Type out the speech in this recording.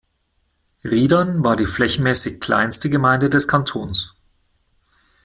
Riedern war die flächenmässig kleinste Gemeinde des Kantons.